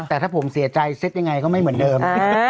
แต่ถ้าผมเสียใจเซ็ตยังไงก็ไม่เหมือนเดิม